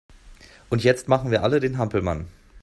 Und jetzt machen wir alle den Hampelmann!